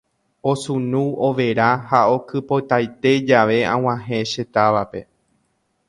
Osunu, overa ha okypotaite jave ag̃uahẽ che távape.